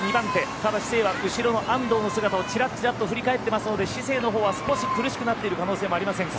ただ、シセイは後ろの安藤の姿をちらちらと振り返っていますので姿勢のほうが少し苦しくなっている可能性はありませんか？